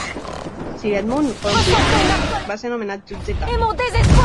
Sir Edmund Hornby va ser nomenat jutge cap.